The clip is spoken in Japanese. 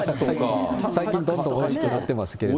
最近どんどんおいしくなってますけど。